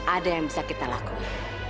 ada yang bisa kita lakukan